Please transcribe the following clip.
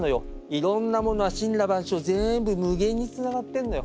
いろんなものは森羅万象全部無限につながってんのよ。